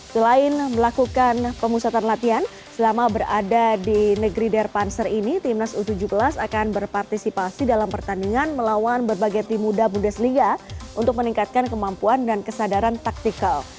selain melakukan pemusatan latihan selama berada di negeri derpanser ini timnas u tujuh belas akan berpartisipasi dalam pertandingan melawan berbagai tim muda bundesliga untuk meningkatkan kemampuan dan kesadaran taktikal